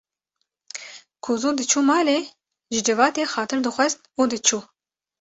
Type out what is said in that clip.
Ku zû diçû malê ji civatê xatir dixwest û diçû